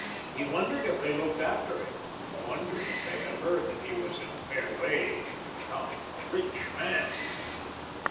He wondered if they looked after him, wondered if they had heard that he was in a fair way to become a rich man.